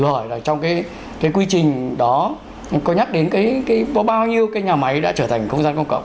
rồi trong cái quy trình đó có nhắc đến bao nhiêu cây nhà máy đã trở thành công sân công cộng